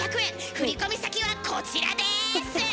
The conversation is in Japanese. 振込先はこちらです！